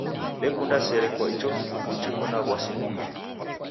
Dekunda sere kwa icho kifumbu chiko na w'asi mungi.